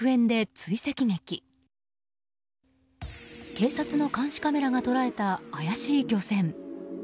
警察の監視カメラが捉えた怪しい漁船。